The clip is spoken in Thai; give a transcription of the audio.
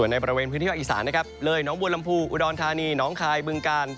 ในประเมยนะครับเลยหนองบูรรรมภูก์อุดรทานีหนองคายปื่งกาน